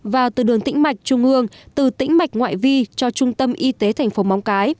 vào từ đường tỉnh mạch trung ương từ tỉnh mạch ngoại vi cho trung tâm y tế tp móng cái